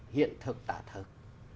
hiện thực tả thực